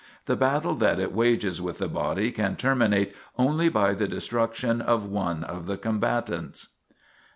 The battle that it wages with the body can terminate only by the destruction of one of the combatants."